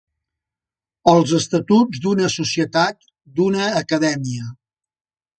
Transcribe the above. Els estatuts d'una societat, d'una acadèmia.